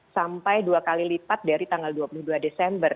sampai dua kali lipat dari tanggal dua puluh dua desember